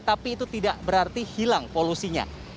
tapi itu tidak berarti hilang polusinya